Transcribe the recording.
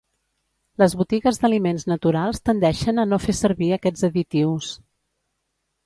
Les botigues d'aliments naturals tendeixen a no fer servir aquests additius.